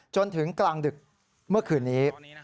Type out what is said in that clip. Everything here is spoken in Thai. จนถึงกลางดึกเมื่อคืนนี้